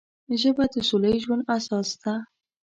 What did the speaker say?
ژبه د سوله ییز ژوند اساس ده